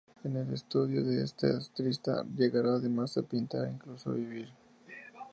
En el estudio de este artista llegará -además de a pintar- incluso a vivir.